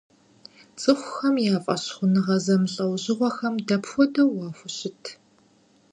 Цӏыхухэм я фӏэщхъуныгъэ зэмылӏэужьыгъуэхэм дапхуэдэу уахущыт?